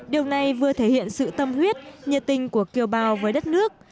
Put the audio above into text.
điều này vừa thể hiện sự tâm huyết nhiệt tình của kiều bào với đất nước